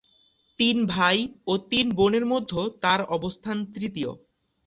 তিন ভাই ও তিন বোনের মধ্যে তার অবস্থান তৃতীয়।